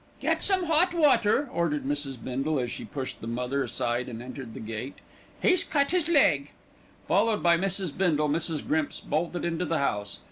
"Get some hot water," ordered Mrs. Bindle, as she pushed the mother aside and entered the gate. "He's cut his leg." Followed by Mrs. Bindle, Mrs. Grimps bolted into the house.